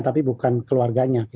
tapi bukan keluarganya